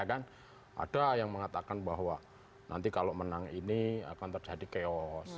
ada yang mengatakan bahwa nanti kalau menang ini akan terjadi chaos